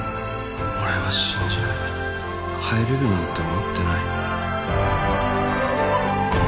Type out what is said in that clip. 俺は信じない帰れるなんて思ってない